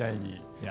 いや、